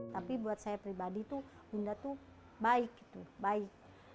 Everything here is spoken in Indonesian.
tapi buat saya pribadi tuh bunda tuh baik gitu baik